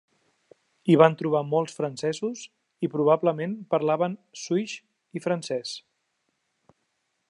Hi van trobar molts francesos, i probablement parlaven sioux i francès.